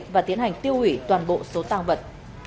và tiến hành tiêu hủy toàn bộ số tăng vật